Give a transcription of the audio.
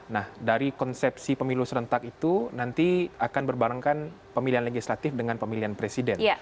nah dari konsepsi pemilu serentak itu nanti akan berbarengkan pemilihan legislatif dengan pemilihan presiden